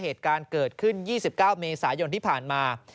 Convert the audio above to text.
เหตุการณ์เกิดขึ้น๒๙เมษายนที่ผ่านมา